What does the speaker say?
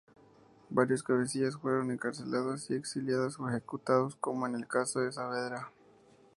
Varios de cabecillas fueron encarcelados, exiliados o ejecutados como en el caso de Saavedra.